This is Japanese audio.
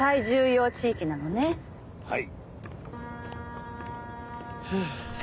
はい。